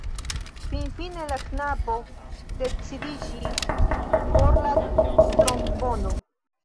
Finfine la knabo decidiĝis por la trombono.